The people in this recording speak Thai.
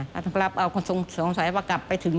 ถ้าท่านก็รับเอาสงสัยว่ากลับไปถึง